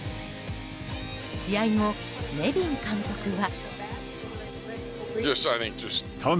試合後、ネビン監督は。